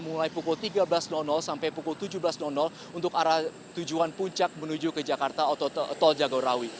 mulai pukul tiga belas sampai pukul tujuh belas untuk arah tujuan puncak menuju ke jakarta atau tol jagorawi